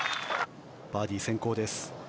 バーディー先行です。